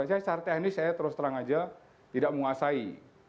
saya secara teknis saya terus terang saja tidak menguasai